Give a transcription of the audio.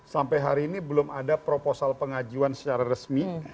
sampai hari ini belum ada proposal pengajuan secara resmi